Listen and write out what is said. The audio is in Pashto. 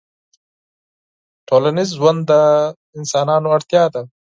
ټولنیز ژوند د انسانانو اړتیا ده